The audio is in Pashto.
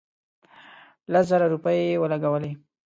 لس زره روپۍ ولګولې.